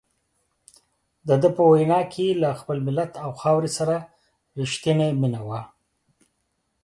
دده په وینا کې له خپل ملت او خاورې سره رښتیني مینه وه.